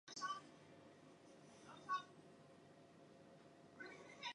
She was welcomed by the flagship and aircraft of the Indian Air Force.